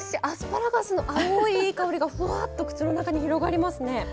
アスパラガスの青いいい香りがふわっと口の中に広がりますね！